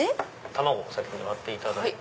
卵を先に割っていただいて。